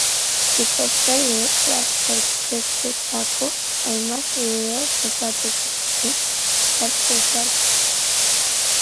Ikertzaileek lasterketetako hainbat bideo topatu zituzten sare sozialetan.